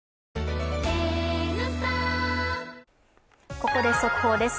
ここで速報です。